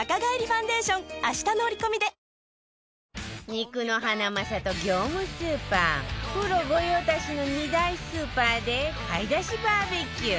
肉のハナマサと業務スーパープロ御用達の２大スーパーで買い出しバーベキュー